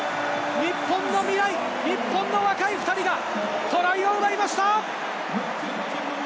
日本の未来、日本の若い２人がトライを取りました！